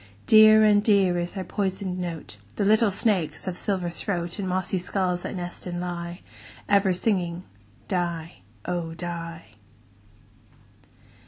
Dear and dear is their poisoned note, The little snakes' of silver throat, In mossy skulls that nest and lie, Ever singing "die, oh! die."